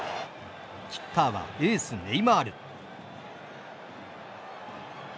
キッカーはエースネイマール。